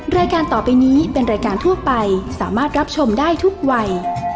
รายการต่อไปนี้เป็นรายการทั่วไปสามารถรับชมได้ทุกวัย